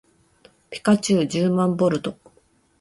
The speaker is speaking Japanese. ピカチュウじゅうまんボルト